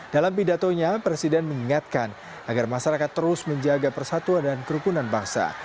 dalam pidatonya presiden mengingatkan agar masyarakat terus menjaga persatuan dan kerukunan bangsa